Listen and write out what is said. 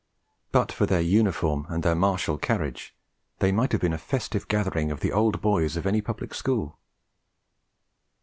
But for their uniform, and their martial carriage, they might have been a festive gathering of the Old Boys of any Public School.